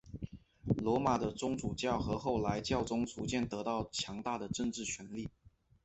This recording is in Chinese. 罗马的宗主教和后来的教宗逐渐得到强大的政治权力。